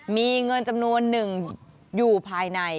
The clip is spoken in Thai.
มีเงินจำนวนหนึ่งอยู่ภายใน